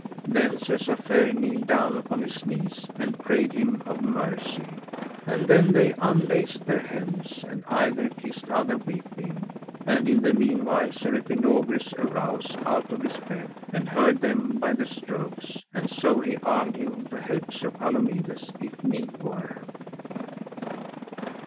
Then Sir Safere kneeled down upon his knees, and prayed him of mercy; and then they unlaced their helms and either kissed other weeping. And in the meanwhile Sir Epinogris arose out of his bed, and heard them by the strokes, and so he armed him to help Sir Palomides if need were.